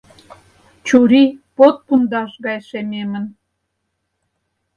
Чурий под пундаш гай шемемын...